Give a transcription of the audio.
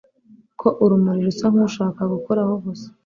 ko urumuri rusa nkushaka gukoraho gusa